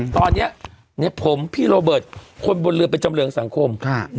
ตอนนี้ผมพี่โรเบิร์ตคนบนเรือเป็นจำเริงสังคม